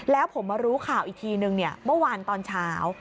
แล้วผมมารู้ข่าวอีกทีนึงเมื่อวานตอนเช้า